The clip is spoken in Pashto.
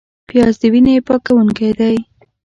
پیاز د وینې پاکوونکی دی